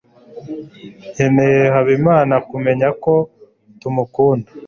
nkeneye habimana kumenya ko tumukunda